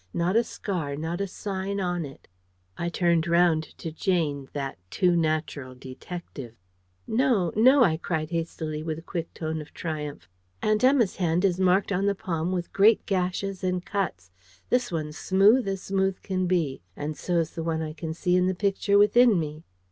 Not a scar not a sign on it. I turned round to Jane, that too natural detective. "No, no!" I cried hastily, with a quick tone of triumph. "Aunt Emma's hand is marked on the palm with great gashes and cuts. This one's smooth as smooth can be. And so's the one I can see in the Picture within me!"